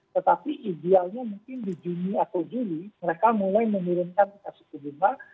tetapi idealnya mungkin di juni atau juli mereka mulai menurunkan tingkat suku bunga